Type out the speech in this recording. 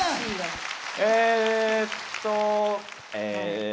えっとえ。